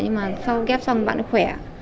nhưng mà sau ghép xong bạn nó khỏe